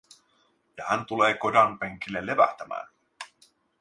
Ja hän tulee kodan penkille levähtämään.